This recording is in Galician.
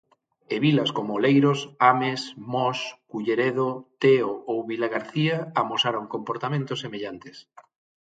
E vilas como Oleiros, Ames, Mos, Culleredo, Teo ou Vilagarcía amosaron comportamentos semellantes.